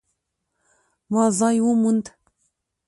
ما ځای وموند